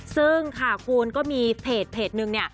ซึ่งคุณก็มีเพจหนึ่ง